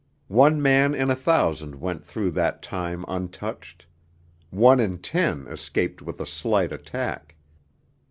One man in a thousand went through that time untouched; one in ten escaped with a slight attack.